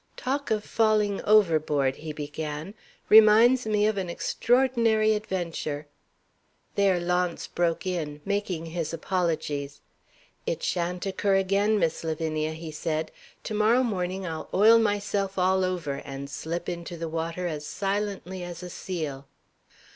"Talk of falling overboard," he began, "reminds me of an extraordinary adventure " There Launce broke in, making his apologies. "It shan't occur again, Miss Lavinia," he said. "To morrow morning I'll oil myself all over, and slip into the water as silently as a seal."